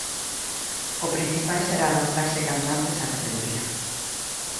O principal será adaptarse canto antes á categoría.